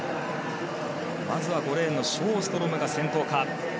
まずは５レーンのショーストロムが先頭か。